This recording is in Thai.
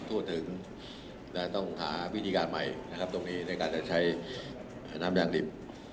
ทั่วถึงและต้องหาวิธีการใหม่ในการใช้ไหนทำยางริม